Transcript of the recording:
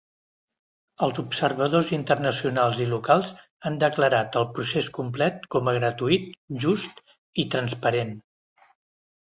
Els observadors internacionals i locals han declarat el procés complet com a gratuït, just i transparent.